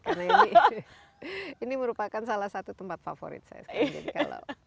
karena ini merupakan salah satu tempat favorit saya